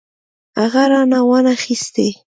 هغې رانه وانه خيستې.